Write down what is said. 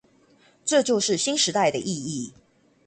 這就是新時代的意義